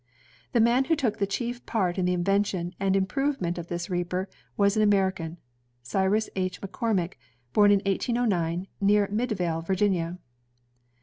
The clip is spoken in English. The man who took the chief part in the invention and improvement of this reaper was an American, Cyrus H. McCormick, born in 1809, near Midvale, Virginia.